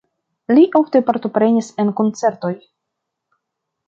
Li ofte partoprenis en koncertoj.